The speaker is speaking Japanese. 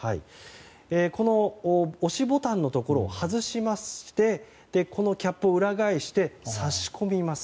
この押しボタンのところを外しましてこのキャップを裏返して差し込みます。